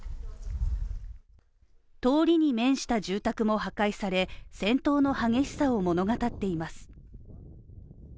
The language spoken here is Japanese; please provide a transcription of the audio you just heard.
通りに面した住宅も破壊され戦闘の激しさを物語っています。